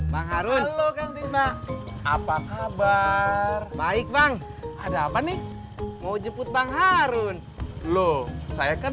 bang arun halo kang tisnak apa kabar baik bang ada apa nih mau jemput bang arun lo saya kan